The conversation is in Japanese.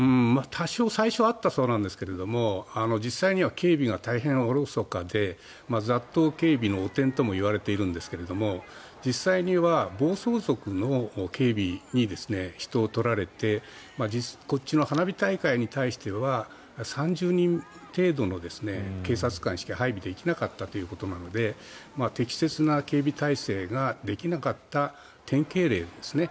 多少最初はあったそうなんですが実際には警備が大変おろそかで雑踏警備の汚点ともいわれているんですが実際には暴走族の警備に人を取られてこっちの花火大会に対しては３０人程度の警察官しか配備できなかったということなので適切な警備態勢ができなかった典型例ですね。